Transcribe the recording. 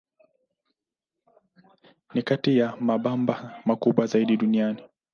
Ni kati ya mabamba makubwa zaidi duniani.